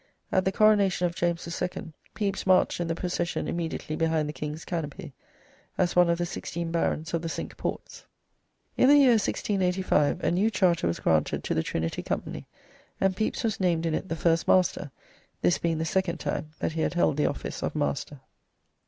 At the coronation of James II. Pepys marched in the procession immediately behind the king's canopy, as one of the sixteen barons of the Cinque Ports. In the year 1685 a new charter was granted to the Trinity Company, and Pepys was named in it the first master, this being the second time that he had held the office of master.